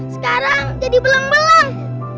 sekarang jadi belang belang